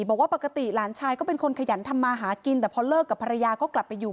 บอกว่าปกติหลานชายก็เป็นคนขยันทำมาหากินแต่พอเลิกกับภรรยาก็กลับไปอยู่